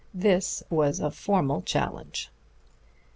This was a formal challenge.